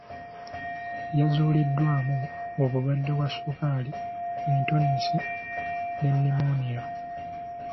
Yazuuliddwamu obulwadde bwa sukaali, entunnunsi ne nnimooniya.